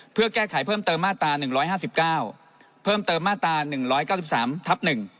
เพื่อแก้ไขเพิ่มเติมมาตรา๑๕๙เพิ่มเติมมาตรา๑๙๓ทับ๑